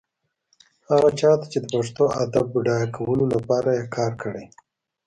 هغه چا ته چې د پښتو ادب بډایه کولو لپاره يې کار کړی.